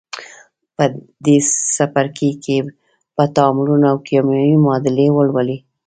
په دې څپرکي کې به تعاملونه او کیمیاوي معادلې ولولئ.